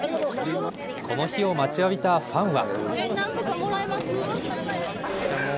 この日を待ちわびたファンは。